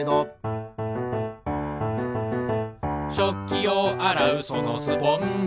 「しょっきをあらうそのスポンジ」